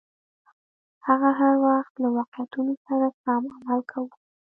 هغه هر وخت له واقعیتونو سره سم عمل کاوه.